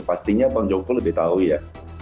pastinya bang joko lebih tahu ya